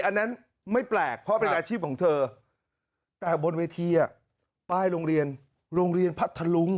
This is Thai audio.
อันนั้นไม่แปลกเพราะเป็นอาชีพของเธอแต่บนเวทีป้ายโรงเรียนโรงเรียนพัทธลุง